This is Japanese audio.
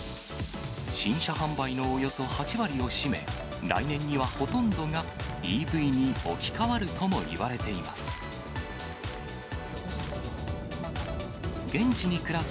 新車販売のおよそ８割を占め、来年にはほとんどがＥＶに置き換わるとも言われています。